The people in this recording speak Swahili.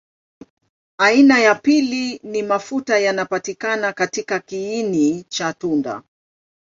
Aina ya pili ni mafuta yanapatikana katika kiini cha tunda.